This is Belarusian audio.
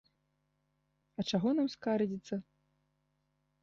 А чаго нам скардзіцца?